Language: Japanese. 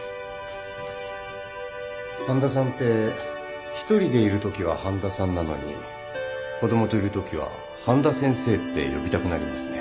半田さんって一人でいるときは半田さんなのに子供といるときは半田先生って呼びたくなりますね。